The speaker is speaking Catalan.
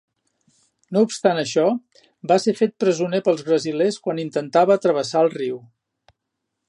No obstant això va ser fet presoner pels brasilers quan intentava travessar el riu.